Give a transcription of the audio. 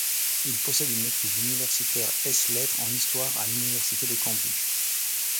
Il possède une maîtrise universitaire ès lettres en histoire à l'Université de Cambridge.